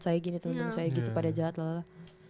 saya gini temen temen saya gitu pada jadlah